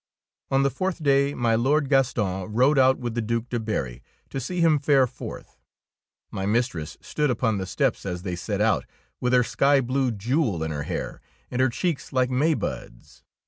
On the fourth day my Lord Graston rode out with the Due de Berry to see him fare forth. My mistress stood upon the steps as they set out, with her sky blue jewel in her hair and her cheeks like maybuds.